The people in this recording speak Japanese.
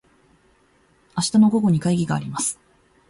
明日の午後に会議があります。